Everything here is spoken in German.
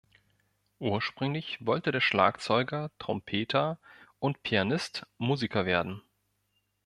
Ursprünglich wollte der Schlagzeuger, Trompeter und Pianist Musiker werden.